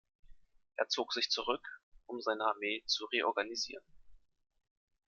Er zog sich zurück, um seine Armee zu reorganisieren.